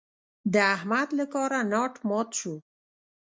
د احمد له کاره ناټ مات شو.